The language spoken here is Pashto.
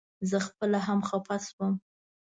زه خپله هم خپه شوم.